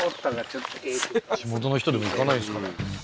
地元の人でも行かないんですかね